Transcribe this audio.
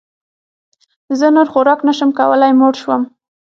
زه نور خوراک نه شم کولی موړ شوم